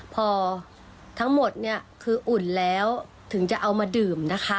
พอทั้งหมดเนี่ยคืออุ่นแล้วถึงจะเอามาดื่มนะคะ